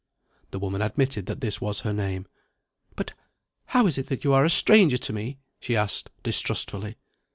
The woman admitted that this was her name. "But how is it that you are a stranger to me?" she asked distrustfully.